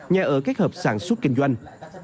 nhà ở các hợp sản xuất kinh doanh